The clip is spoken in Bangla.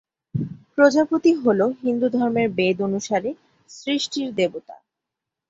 প্রজাপতি হল হিন্দুধর্মের বেদ অনুসারে "সৃষ্টির দেবতা"।